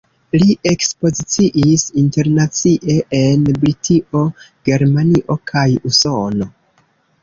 Li ekspoziciis internacie, en Britio, Germanio kaj Usono.